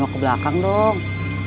neng ke belakang dong